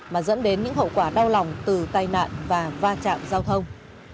mà dẫn đến những hậu quả đau lòng từ tai nạn và va chạm giao thông